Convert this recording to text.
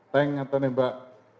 tank atau nembak